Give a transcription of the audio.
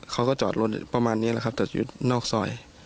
เขาก็จอดรถประมาณนี้แหละครับแต่ชีวิตนอกซอย